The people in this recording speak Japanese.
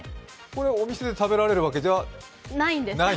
これはお店で食べられるわけではないんですね。